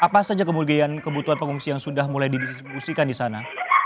pas saja kemudian kebutuhan pengungsian sudah mulai didistribusikan di sana